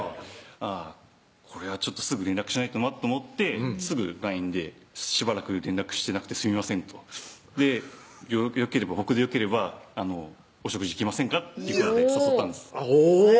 あぁこれはちょっとすぐ連絡しないとなと思ってすぐＬＩＮＥで「しばらく連絡してなくてすみません」と「僕でよければお食事行きませんか？」っていうことで誘ったんですハァー